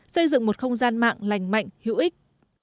xây dựng một không gian mạng lành mạnh hữu ích